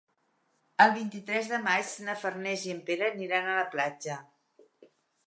El vint-i-tres de maig na Farners i en Pere aniran a la platja.